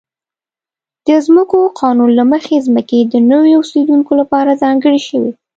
د ځمکو قانون له مخې ځمکې د نویو اوسېدونکو لپاره ځانګړې شوې.